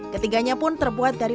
ketiganya pun terbuat dari